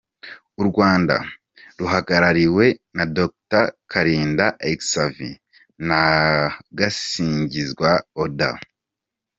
U Rwanda ruhagarariwe na Dr Kalinda Xavier na Gasinzigwa Oda.